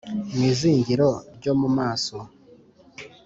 mu izingiro ryo mu maso